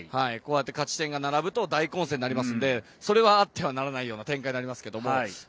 勝ち点が並びますと大混戦になりますのでそれはあってはならないような展開になりますけれども。